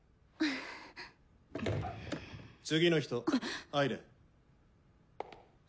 ・次の人入れ。